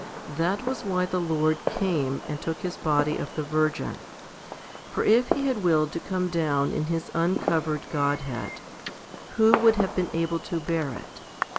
That was why the Lord came, and took His body of the Virgin. For if He had willed to come down in His uncovered Godhead, who would have been able to bear it